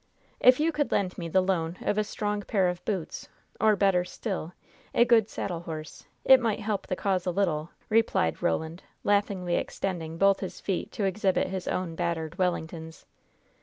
"If you could lend me the loan of a strong pair of boots, or, better still, a good saddle horse, it might help the cause a little," replied Roland, laughingly extending both his feet to exhibit his own battered "Wellingtons."